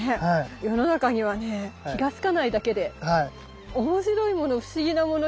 世の中にはね気が付かないだけでおもしろいもの不思議なもの